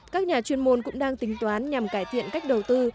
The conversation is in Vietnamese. các nhà chuyên môn cũng đang tính toán nhằm cải thiện cách đầu tư